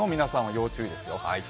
要注意ですよ。